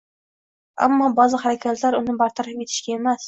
Ammo ba’zi harakatlar uni bartaraf etishga emas